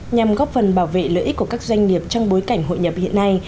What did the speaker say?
nhằm góp phần bảo vệ lợi ích của các doanh nghiệp trong bối cảnh hội nhập hiện nay